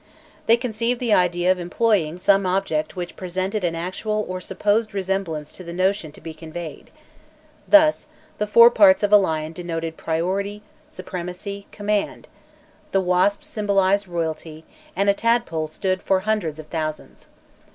They conceived the idea of employing some object which presented an actual or supposed resemblance to the notion to be conveyed; thus, the foreparts of a lion denoted priority, supremacy, command; the wasp symbolized royalty, and a tadpole stood for hundreds of thousands.